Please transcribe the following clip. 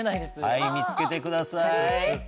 はい見つけてください。